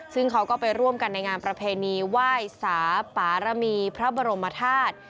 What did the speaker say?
ซึ่งเขาก็ไปร่วมกันในงานประเพณีไหว้สาปารมีพระบรมธาตุ